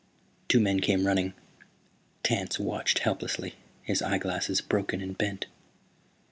Two men came running. Tance watched helplessly, his eyeglasses broken and bent.